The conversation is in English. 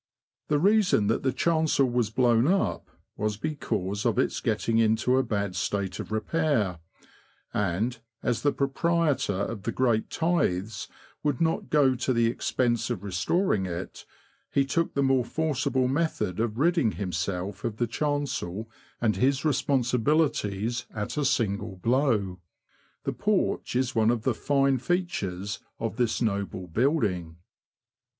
The reason that the chancel was blown up was because of its getting into a bad state of repair; and, as the pro prietor of the great tithes would not go to the expense of restoring it, he took the more forcible method of ridding himself of the chancel and his responsibilities at a single blow. The porch is one of the fine features of this noble building.